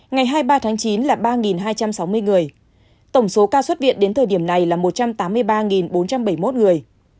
ngày hai mươi ba tháng chín là ba hai trăm sáu mươi người tổng số ca xuất viện đến thời điểm này là một trăm tám mươi ba bốn trăm bảy mươi một người